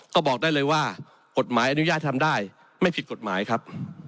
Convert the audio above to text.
ก็บอกได้เลยว่ากฎหมายอนุญาตทำได้ไม่ผิดกฎหมายครับ